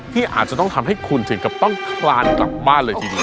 ที่อาจจะต้องทำให้คุณถึงกับต้องคลานกลับบ้านเลยทีเดียว